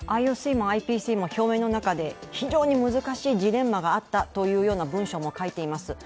ＩＯＣもＩＰＣも表明の中で非常に難しいジレンマがあったという文章も書いています。